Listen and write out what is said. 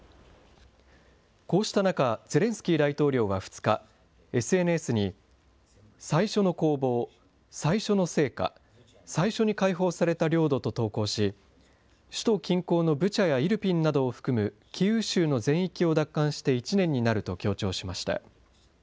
こうした中、ゼレンスキー大統領は２日、ＳＮＳに最初の攻防、最初の成果、最初に解放された領土と投稿し、首都近郊のブチャや、イルピンなどを含むキーウ州の全域を奪還して１年になると強調しました。